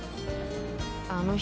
あの人